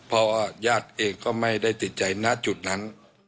เพราะว่าญาติเองก็ไม่ได้ติดใจณจุดนั้น